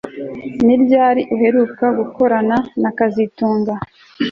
Ni ryari uheruka gukorana na kazitunga